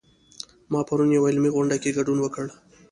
ما پرون یوه علمي غونډه کې ګډون وکړ